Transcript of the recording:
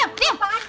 pak bener mak